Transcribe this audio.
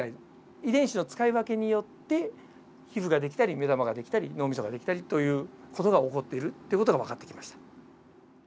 遺伝子の使い分けによって皮膚ができたり目玉ができたり脳みそができたりという事が起こってるという事が分かってきました。